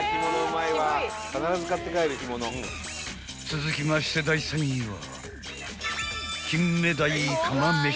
［続きまして第３位は］